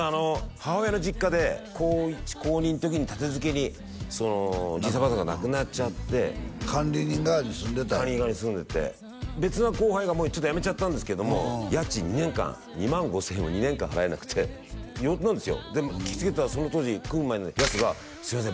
母親の実家で高１高２の時に立て続けにじいさんばあさんが亡くなっちゃって管理人代わりに住んでた管理人代わりに住んでて別の後輩がもうやめちゃったんですけども家賃２年間２万５０００円を２年間払えなくて呼んだんですよ聞きつけたその当時組む前のやすがすいません